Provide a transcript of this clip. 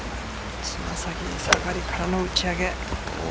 爪先下がりからの打ち上げ。